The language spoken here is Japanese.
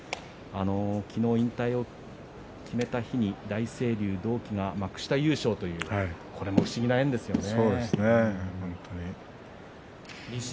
昨日、引退を決めた日に大成龍は幕下優勝というこれも不思議な縁ですよね。